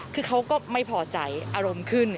คือเขาก็ไม่พอใจอารมณ์ขึ้น